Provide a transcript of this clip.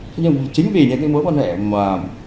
thế nhưng chính vì những cái mối quan hệ mà